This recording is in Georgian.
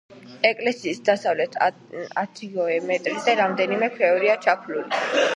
ეკლესიის დასავლეთით ათიოდე მეტრზე რამდენიმე ქვევრია ჩაფლული.